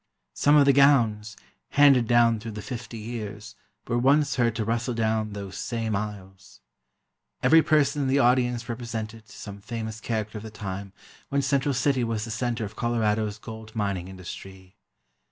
Some of the gowns, handed down through the fifty years, were once heard to rustle down those same aisles. Every person in the audience represented some famous character of the time when Central City was the centre of Colorado's gold mining industry.